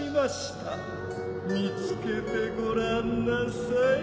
見つけてごらんなさい。